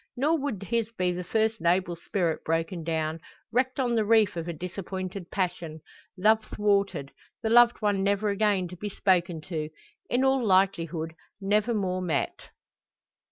Nor would his be the first noble spirit broken down, wrecked on the reef of a disappointed passion love thwarted, the loved one never again to be spoken to, in all likelihood never more met!